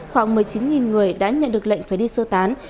khoảng một mươi chín người đã nhận được lệnh phải đi sơ tán